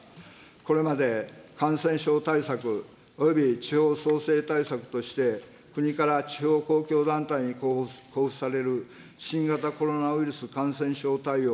これまで、感染症対策および地方創生対策として、国から地方公共団体に交付される新型コロナウイルス感染症対応